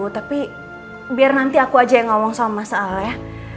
tapi biar nanti aku aja yang ngomong sama mas ale